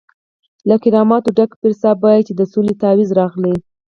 له کراماتو ډک پیر صاحب وایي چې د سولې تعویض راغلی.